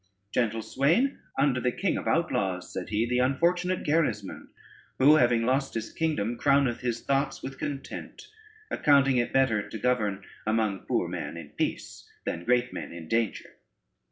"Gentle swain, under the king of outlaws," said he, "the unfortunate Gerismond, who having lost his kingdom, crowneth his thoughts with content, accounting it better to govern among poor men in peace, than great men in danger."